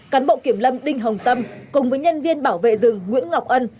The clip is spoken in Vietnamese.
cán bộ kiểm lâm đinh hồng tâm cùng với nhân viên bảo vệ rừng nguyễn ngọc ân